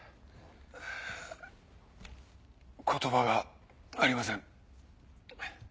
言葉がありません。